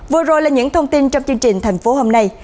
vừa rồi là những thông tin trong chương trình thành phố hôm nay